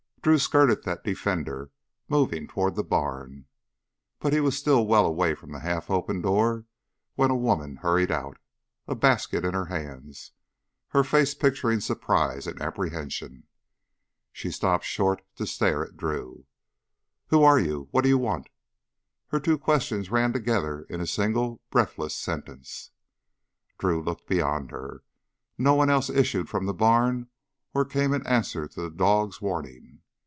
Drew skirted that defender, moving toward the barn. But he was still well away from the half open door when a woman hurried out, a basket in her hands, her face picturing surprise and apprehension. She stopped short to stare at Drew. "Who are you what do you want?" Her two questions ran together in a single breathless sentence. Drew looked beyond her. No one else issued from the barn or came in answer to the dog's warning.